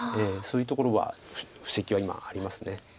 そういうところは布石は今あります。